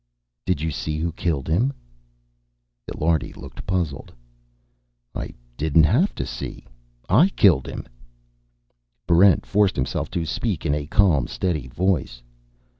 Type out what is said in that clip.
"Did you see who killed him?" Illiardi looked puzzled. "I didn't have to see. I killed him." Barrent forced himself to speak in a calm, steady voice.